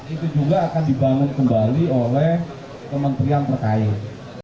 itu juga akan dibangun kembali oleh kementerian terkait